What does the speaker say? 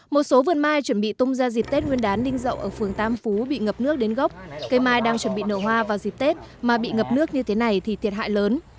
một số vườn mai chuẩn bị tung ra dịp tết nguyên đán ninh rậu ở phường tam phú bị ngập nước đến gốc cây mai đang chuẩn bị nở hoa vào dịp tết mà bị ngập nước như thế này thì thiệt hại lớn